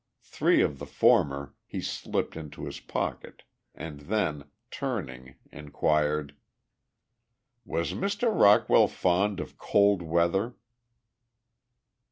Three of the former he slipped into his pocket and then, turning, inquired: "Was Mr. Rockwell fond of cold weather?"